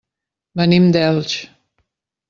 Venim d'Elx.